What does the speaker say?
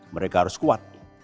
mereka harus kuat